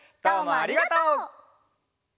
どうもありがとう！